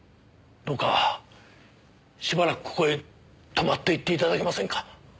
どうかしばらくここへ泊まっていって頂けませんか？